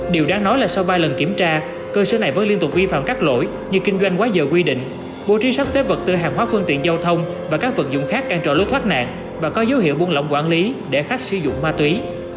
điều đáng nói là sau ba lần kiểm tra cơ sở này vẫn liên tục vi phạm các lỗi như kinh doanh quá giờ quy định bố trí sắp xếp vật tư hàng hóa phương tiện giao thông và các vật dụng khác cản trở lối thoát nạn và có dấu hiệu buôn lỏng quản lý để khách sử dụng ma túy